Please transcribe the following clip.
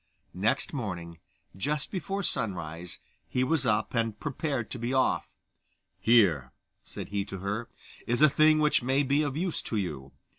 Next morning, just before sunrise, he was up, and prepared to be off, 'Here,' said he to her, 'is a thing which may be of use to you.